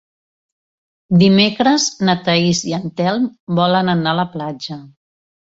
Dimecres na Thaís i en Telm volen anar a la platja.